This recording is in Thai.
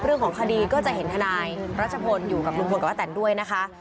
เรื่องของคดีก็จะเห็นทนายรัชพลอยู่กับลุงพลกับป้าแตนด้วยนะคะ